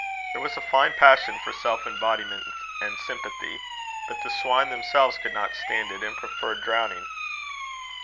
There was a fine passion for self embodiment and sympathy! But the swine themselves could not stand it, and preferred drowning."